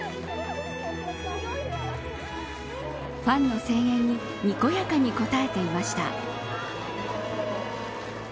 ファンの声援ににこやかに応えていました。